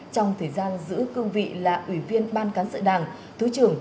trong thời gian giữ cương vị là ủy viên ban cán sự đảng thứ trưởng